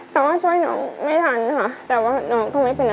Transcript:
แต่ว่าช่วยน้องไม่ทันค่ะแต่ว่าน้องก็ไม่เป็นไร